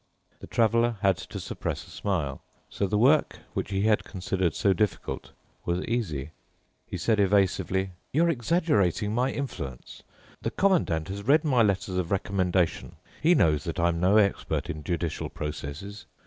The Traveler had to suppress a smile. So the work which he had considered so difficult was easy. He said evasively, "You're exaggerating my influence. The Commandant has read my letters of recommendation. He knows that I am no expert in judicial processes.